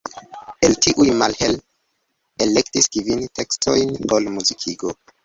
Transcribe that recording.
El tiuj Mahler elektis kvin tekstojn por muzikigo.